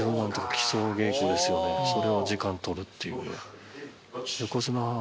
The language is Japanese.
それを時間取るっていう。